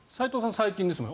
最近ですもんね。